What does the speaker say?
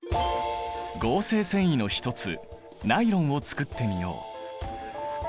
合成繊維の一つナイロンをつくってみよう。